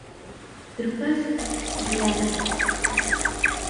Drupas glabras.